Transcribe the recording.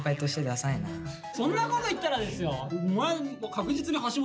そんなこと言ったらですよ。